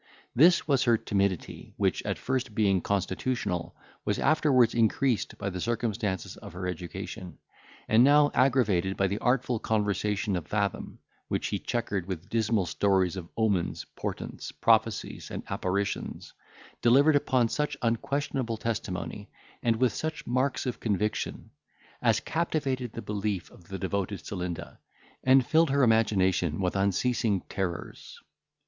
This was her timidity, which at first being constitutional, was afterwards increased by the circumstances of her education, and now aggravated by the artful conversation of Fathom, which he chequered with dismal stories of omens, portents, prophecies, and apparitions, delivered upon such unquestionable testimony, and with such marks of conviction, as captivated the belief of the devoted Celinda, and filled her imagination with unceasing terrors.